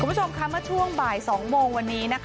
คุณผู้ชมค่ะเมื่อช่วงบ่าย๒โมงวันนี้